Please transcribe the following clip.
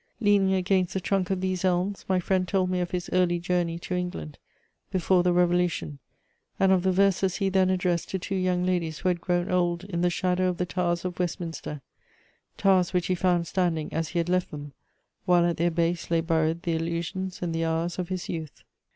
Leaning against the trunk of these elms, my friend told me of his early journey to England before the Revolution, and of the verses he then addressed to two young ladies who had grown old in the shadow of the towers of Westminster: towers which he found standing as he had left them, while at their base lay buried the illusions and the hours of his youth.